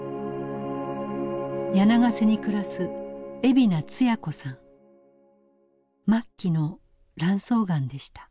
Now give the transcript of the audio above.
柳ケ瀬に暮らす末期の卵巣がんでした。